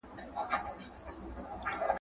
دوی له مظلومانو سره شفقت وکړ.